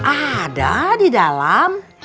ada di dalam